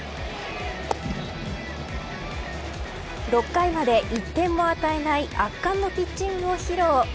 ６回まで、１点も与えない圧巻のピッチングを披露。